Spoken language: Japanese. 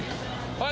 はい。